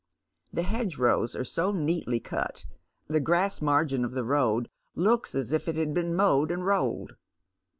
The hedgex'ows are so neatly cut, the grass margin of the road looks as if it had been mowed and rolled.